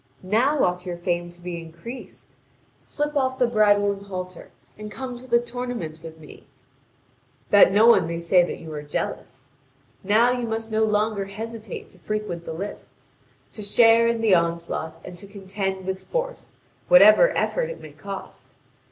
Now ought your fame to be increased! Slip off the bridle and halter and come to the tournament with me, that no one may say that you are jealous. Now you must no longer hesitate to frequent the lists, to share in the onslaught, and to contend with force, whatever effort it may cost!